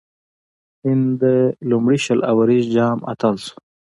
هند د لومړي شل اووريز جام اتل سو.